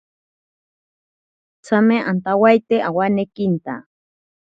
Tsame antawaite awanekinta.